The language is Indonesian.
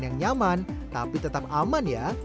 yang nyaman tapi tetap aman ya